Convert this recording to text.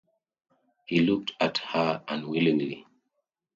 He looked at her unwillingly.